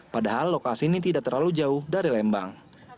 padahal lokasi ini tidak terlalu jauh dari lembang